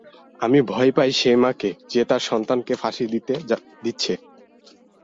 আমি ভয় পাই সে মাকে যে তার সন্তানকে ফাঁসি দিতে দিচ্ছে।